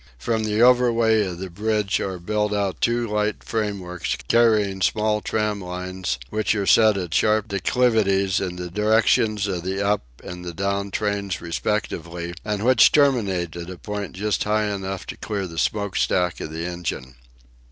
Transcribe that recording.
From the overway of the bridge are built out two light frameworks carrying small tram lines which are set at sharp declivities in the directions of the up and the down trains respectively, and which terminate at a point just high enough to clear the smoke stack of the engine.